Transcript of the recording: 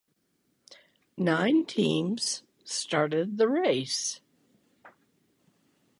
Nine teams started the race.